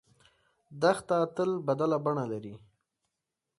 دښته تل بدله بڼه لري.